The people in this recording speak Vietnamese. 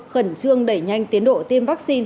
khẩn trương đẩy nhanh tiến độ tiêm vaccine